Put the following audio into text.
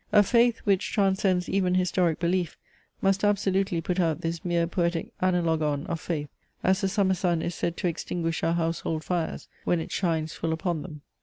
A faith, which transcends even historic belief, must absolutely put out this mere poetic analogon of faith, as the summer sun is said to extinguish our household fires, when it shines full upon them.